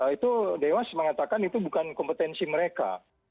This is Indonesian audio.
itu dewas mengatakan itu bukan kompetensi mereka